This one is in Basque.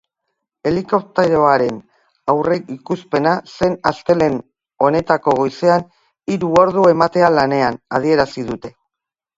Helikopteroaren aurreikuspena zen astelehen honetako goizean hiru ordu ematea lanean, adierazi dute.